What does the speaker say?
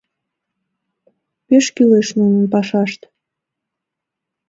Пеш кӱлеш нунын пашашт.